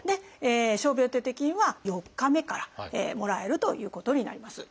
傷病手当金は４日目からもらえるということになります。